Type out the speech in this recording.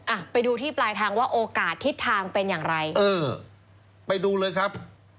อ่ะไปดูที่ปลายทางว่าโอกาสทิศทางเป็นอย่างไรเออไปดูเลยครับ